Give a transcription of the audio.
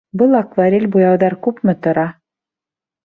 Был акварель буяуҙар күпме тора?